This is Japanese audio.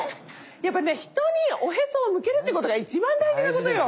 やっぱね人におへそを向けるってことが一番大事なことよ。